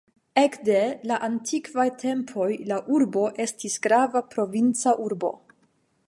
Ekde la antikvaj tempoj la urbo estis grava provinca urbo.